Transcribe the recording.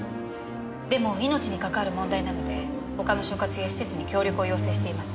でも命にかかわる問題なので他の所轄や施設に協力を要請しています。